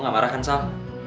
gue gak marah kan sal